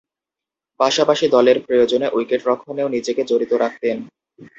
পাশাপাশি দলের প্রয়োজনে উইকেট-রক্ষণেও নিজেকে জড়িত রাখতেন।